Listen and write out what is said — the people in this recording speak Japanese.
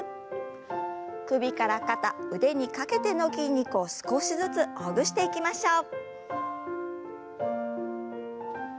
首から肩腕にかけての筋肉を少しずつほぐしていきましょう。